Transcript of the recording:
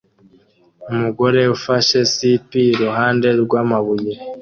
Umugore ufashe sipi iruhande rwamabuye